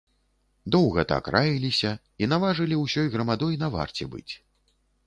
Доўга так раіліся і наважылі ўсёй грамадой на варце быць.